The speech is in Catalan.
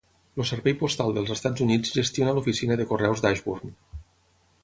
El Servei postal del Estats Units gestiona l'oficina de correus d'Ashburn.